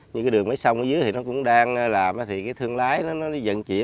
như cái đường máy sông ở dưới thì nó cũng đang làm thì cái thương lái nó dần chỉa